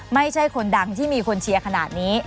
ไม่ใช่คนดังที่มีคนเชียร์ขนาดนี้